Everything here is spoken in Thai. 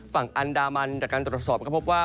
ฝั่งอันดามันจากการตรวจสอบก็พบว่า